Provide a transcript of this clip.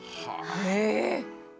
へえ！